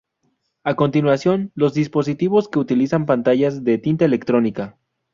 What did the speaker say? A continuación, los dispositivos que utilizan pantallas de tinta electrónica.